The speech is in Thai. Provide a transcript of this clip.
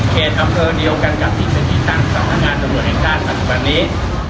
แข่ทำเกิดเดียวกันกับที่เกิดที่ต่างทางทางงานตรงนี้